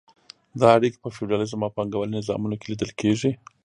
دا اړیکې په فیوډالیزم او پانګوالۍ نظامونو کې لیدل کیږي.